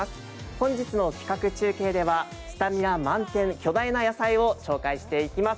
本日の企画中継ではスタミナ満点巨大な野菜を紹介していきます。